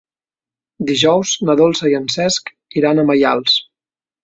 Dijous na Dolça i en Cesc iran a Maials.